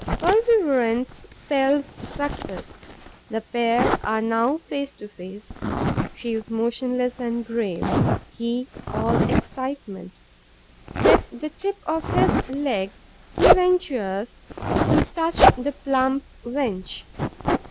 Perseverance spells success. The pair are now face to face, she motionless and grave, he all excitement. With the tip of his leg, he ventures to touch the plump wench.